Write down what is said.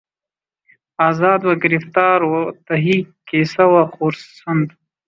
آزاد و گرفتار و تہی کیسہ و خورسند